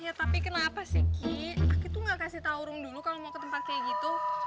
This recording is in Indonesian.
ya tapi kenapa sih ki aki tuh gak kasih tau rum dulu kalo mau ke tempat kayak gitu